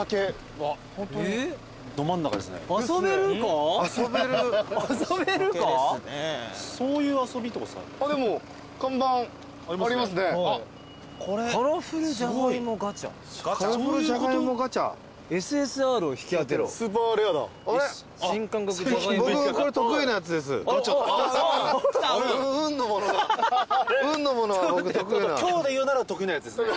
今日で言うなら得意なやつですね。